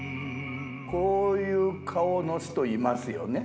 こういう顔の人いますよね。